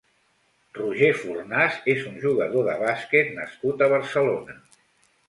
Roger Fornas és un jugador de bàsquet nascut a Barcelona.